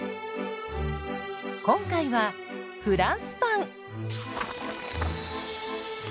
今回はフランスパン。